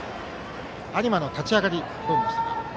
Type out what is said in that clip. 有馬の立ち上がりはどう見ましたか？